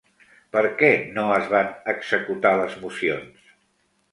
Per què no es van executar les mocions?